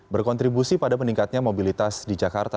berkontribusi pada meningkatnya mobilitas di jakarta